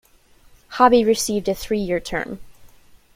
Hobby received a three-year term.